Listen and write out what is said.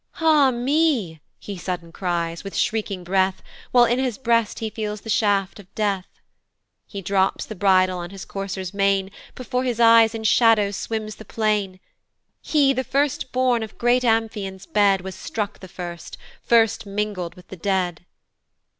"Ah me," he sudden cries, with shrieking breath, While in his breast he feels the shaft of death; He drops the bridle on his courser's mane, Before his eyes in shadows swims the plain, He, the first born of great Amphion's bed, Was struck the first, first mingled with the dead.